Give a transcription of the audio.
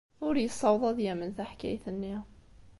Ur yessaweḍ ad yamen taḥkayt-nni.